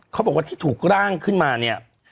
เขาบอกว่าที่ถูกร่างขึ้นมาเนี่ย